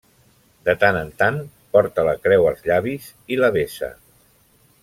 De tant en tant, porta la creu als llavis i la besa.